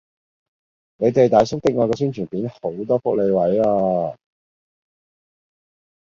你哋大叔的愛個宣傳片有好多福利位啊